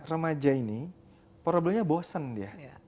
remaja ini problemnya bosen dia